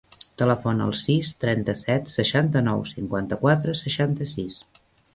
Telefona al sis, trenta-set, seixanta-nou, cinquanta-quatre, seixanta-sis.